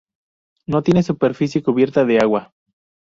No tiene superficie cubierta de Agua.